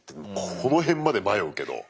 この辺まで迷うけど。